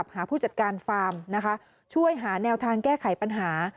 ผู้จัดการฟาร์มนะคะช่วยหาแนวทางแก้ไขปัญหา